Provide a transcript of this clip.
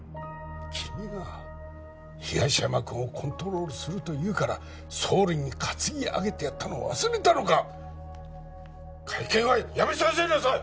君が東山君をコントロールするというから総理に担ぎ上げてやったのを忘れたのか会見はやめさせなさい！